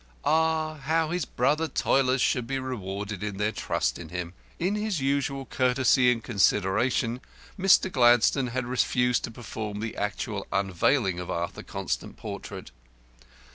Ah, how his brother toilers should be rewarded for their trust in him! With his usual courtesy and consideration, Mr. Gladstone had refused to perform the actual unveiling of Arthur Constant's portrait.